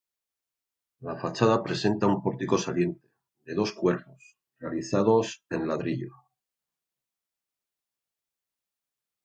La fachada presenta un pórtico saliente, de dos cuerpos, realizados en ladrillo.